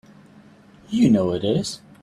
You know it is!